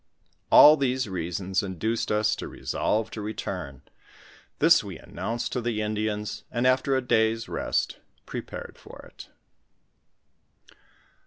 ^ All those reasons induced us to re solve to return ; this we announced to the Indians, and after a day's rest, prepared for it.